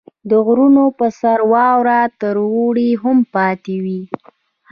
• د غرونو په سر واوره تر اوړي هم پاتې وي.